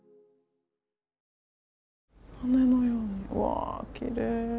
羽のようにうわきれい。